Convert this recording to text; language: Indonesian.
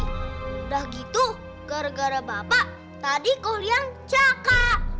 udah gitu gara gara bapak tadi kau yang caka